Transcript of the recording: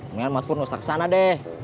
mungkin mas pur nusak sana deh